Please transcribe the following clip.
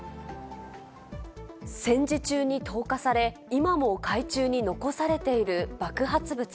戦時中に投下され、今も海中に残されている爆発物。